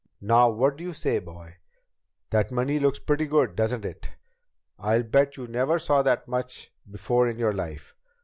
Now what do you say, boy? That money looks pretty good, doesn't it? I'll bet you never saw that much before in your life.